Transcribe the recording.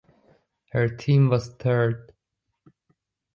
Her team was third.